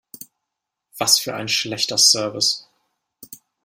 Was für ein schlechter Service!